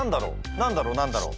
何だろう何だろ？